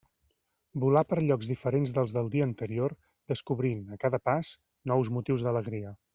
Volà per llocs diferents dels del dia anterior, descobrint, a cada pas, nous motius d'alegria.